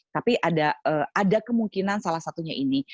tapi ada kemungkinan salah satunya ini